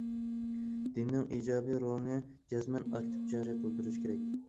دىننىڭ ئىجابىي رولىنى جەزمەن ئاكتىپ جارى قىلدۇرۇش كېرەك.